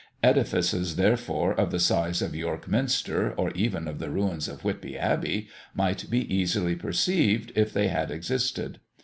Edifices, therefore, of the size of York Minster, or even of the ruins of Whitby Abbey, might be easily perceived, if they had existed.